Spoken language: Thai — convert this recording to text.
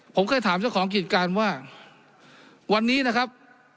ผมเคยถามเจ้าของกิจการว่าวันนี้นะครับ